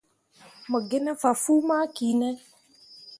Mo gi ne fah fuu ma ki ne.